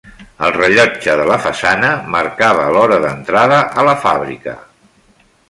El rellotge de la façana marcava l'hora d'entrada a la fàbrica.